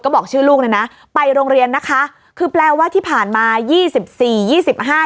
ก็บอกชื่อลูกเลยนะไปโรงเรียนนะคะคือแปลว่าที่ผ่านมายี่สิบสี่ยี่สิบห้า